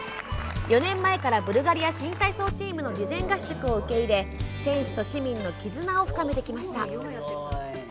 ４年前からブルガリア新体操チームの事前合宿を受け入れ選手と市民の絆を深めてきました。